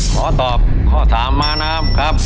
ขอตอบข้อ๓มานะครับครับ